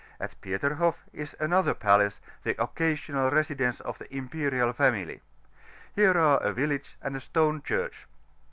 At Peterhoff is another palace, the occasional residence of the Imperial Family: here are a villa^ and stane diurch.